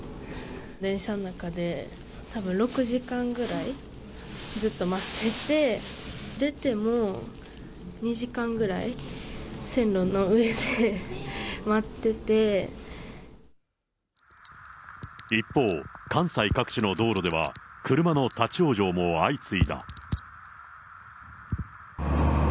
電車の中で、たぶん６時間くらい、ずっと待ってて、出ても、一方、関西各地の道路では、車の立往生も相次いだ。